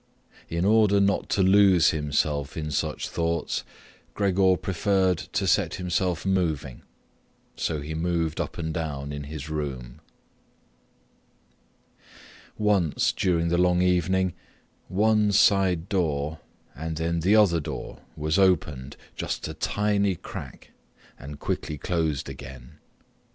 In order not to lose himself in such thoughts, Gregor preferred to set himself moving, so he moved up and down in his room. Once during the long evening one side door and then the other door was opened just a tiny crack and quickly closed again.